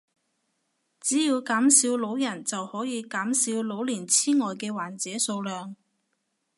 只要減少老人就可以減少老年癡呆嘅患者數量